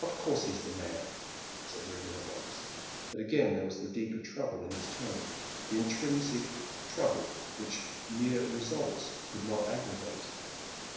"Of course he's the man," said Rigden at once; but again there was the deeper trouble in his tone, the intrinsic trouble which mere results could not aggravate.